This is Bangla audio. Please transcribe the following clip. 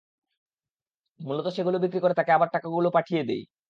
মূলত সেগুলো বিক্রি করে তাকে আবার টাকাগুলো পাঠিয়ে দেই।